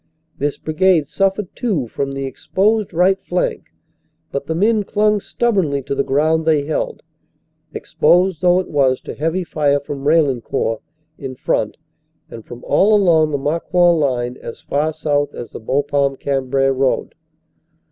This Brigade suffered too from the exposed right flank, but the men clung stubbornly to the ground they held, exposed though it was to heavy fire from Raillencourt in front and from all along the Marcoing line as far south as the Bapaume Cam brai road.